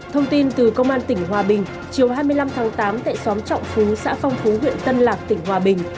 thông tin từ công an tỉnh hòa bình chiều hai mươi năm tháng tám tại xóm trọng phú xã phong phú huyện tân lạc tỉnh hòa bình